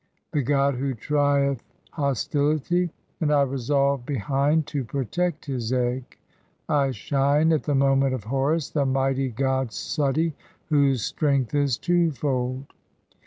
the "god who trieth hostility), and I revolve behind [to protect] his "egg. I shine at the moment (5) of Horus, the mighty god Suti, "whose strength is two fold.